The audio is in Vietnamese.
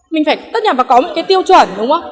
mình phải tất nhiên phải có một cái tiêu chuẩn đúng không